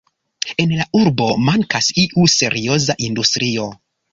En la urbo mankas iu serioza industrio.